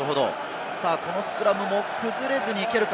このスクラムも崩れずにいけるか。